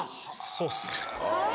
そうっすね。